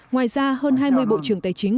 ngoài ra hơn hai mươi bộ trưởng tài chính